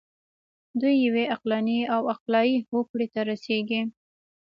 دوی یوې عقلاني او عقلایي هوکړې ته رسیږي.